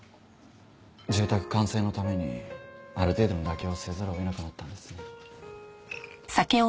住宅完成のためにある程度の妥協をせざるを得なくなったんですね。